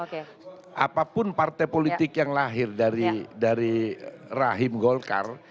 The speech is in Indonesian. dan saya sudah mengikuti semua politik yang lahir dari rahim golkar